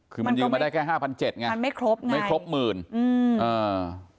คือมันยืมมาได้แค่ห้าพันเจ็ดไงมันไม่ครบไงไม่ครบหมื่นอืมอ่า